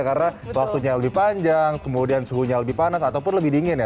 karena waktunya lebih panjang kemudian suhunya lebih panas ataupun lebih dingin ya